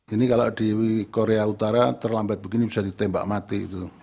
ini kalau di korea utara terlambat begini bisa ditembak mati